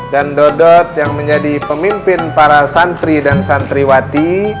dan dodot yang menjadi pemimpin para santri dan santri watih